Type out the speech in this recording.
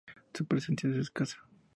Su presencia es escasa.